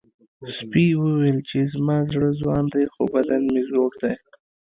سپي وویل چې زما زړه ځوان دی خو بدن مې زوړ دی.